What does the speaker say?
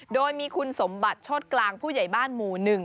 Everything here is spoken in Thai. โดยมีคุณสมบัติโชธกลางผู้ใหญ่บ้านหมู่๑